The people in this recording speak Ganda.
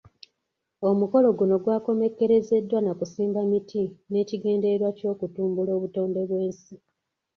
Omukolo guno gwakomekkerezeddwa nakusimba miti n'ekigendererwa eky'okutumbula obutonde bw'ensi.